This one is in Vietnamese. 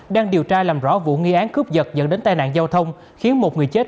đang điều tra làm rõ vụ nghi án cướp giật dẫn đến tai nạn giao thông khiến một người chết